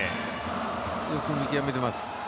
よく見極めています。